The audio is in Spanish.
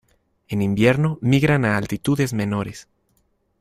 En invierno migran a altitudes menores.